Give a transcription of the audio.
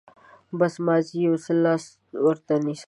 بس، مازې يو څه لاس ورته نيسه.